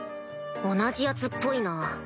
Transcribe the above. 同じヤツっぽいな。